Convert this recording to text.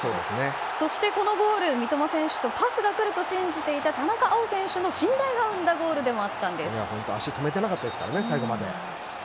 そしてこのゴール、三笘選手とパスが来ると信じていた田中碧選手の信頼が生んだゴールでもあったんです。